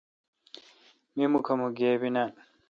می مکھدا گیبی نان۔